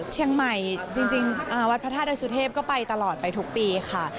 เชียงใหม่จริงวัดพระธาตุดอยสุเทพก็ไปตลอดไปทุกปีค่ะ